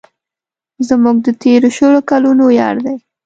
زموږ د تېرو شلو کلونو یار دی.